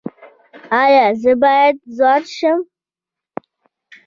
ایا زه باید ځوان شم؟